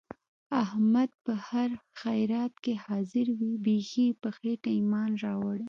احمد په هر خیرات کې حاضر وي. بیخي یې په خېټه ایمان راوړی.